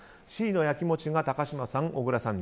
Ｃの焼き餅が高嶋さん、小倉さん